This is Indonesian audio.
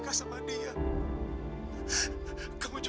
tapi kamu melakukan itu